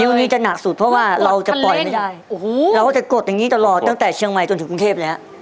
นิ้วนี้จะหนักสุดเพราะว่าเราจะปล่อยเราก็จะกดอย่างนี้ตลอดตั้งแต่เชียงใหม่จนถึงกรุงเทพเลย